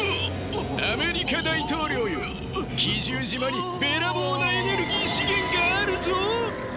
アメリカ大統領よ奇獣島にべらぼうなエネルギー資源があるぞ。